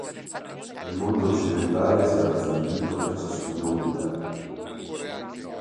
Nel mondo occidentale si alza un dito per ciascuna unità.